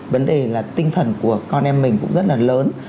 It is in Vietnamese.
vấn đề là tinh thần của con em mình cũng rất là lớn